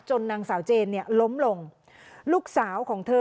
นางสาวเจนเนี่ยล้มลงลูกสาวของเธอ